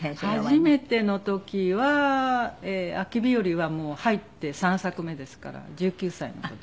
初めての時は『秋日和』はもう入って３作目ですから１９歳の時。